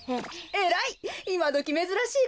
えらい！